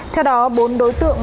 theo đó bốn đối tượng